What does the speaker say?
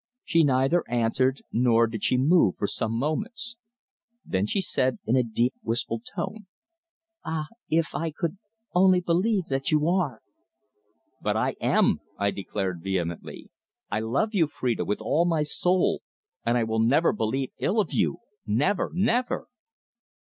She neither answered nor did she move for some moments. Then she said in a deep wistful tone: "Ah! if I could only believe that you are!" "But I am," I declared vehemently. "I love you, Phrida, with all my soul, and I will never believe ill of you never, never!"